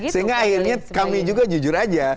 sehingga akhirnya kami juga jujur aja